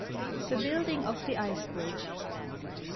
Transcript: THE BUILDING OF THE ICE BRIDGE.